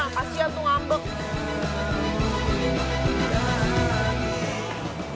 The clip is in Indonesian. kasian tuh ngambek